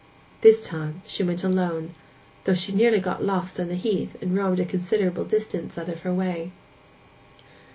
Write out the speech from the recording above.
This time she went alone, though she nearly got lost on the heath, and roamed a considerable distance out of her way.